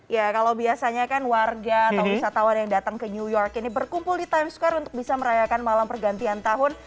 ya kalau biasanya kan warga atau wisatawan yang datang ke new york ini berkumpul di times square untuk bisa merayakan malam pergantian tahun